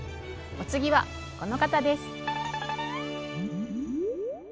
お次はこの方です！